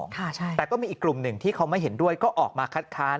แต่ก็มีอีกกลุ่มหนึ่งที่เขาไม่เห็นด้วยก็ออกมาคัดค้าน